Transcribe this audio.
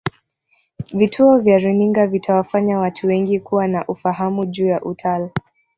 vituo vya runinga vitawafanya watu wengi kuwa na ufahamu juu ya utal